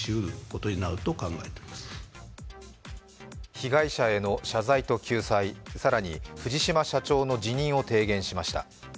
被害者への謝罪と救済、更に藤島社長の辞任を提言しました。